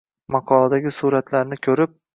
Maqoladagi suratlarni ko‘rib